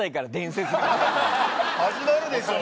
始まるでしょう。